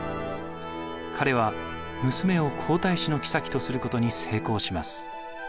彼は娘を皇太子の后とすることに成功します。